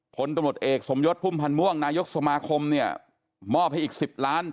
ผลตำรวจเอกสมยศพุ่มพันธ์ม่วงนายกสมาคมเนี่ยมอบให้อีก๑๐ล้าน